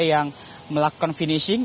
yang melakukan finishing